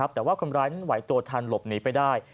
แต่ว่าคนร้ายนั้นไหวตัวทันหลบหนีไปได้